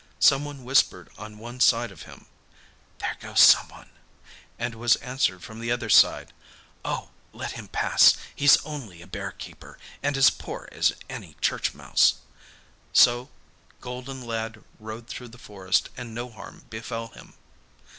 Someone whispered on one side of him: 'There goes someone,' and was answered from the other side: 'Oh, let him pass. He's only a bear keeper, and as poor as any church mouse.' So golden lad rode through the forest and no harm befell him.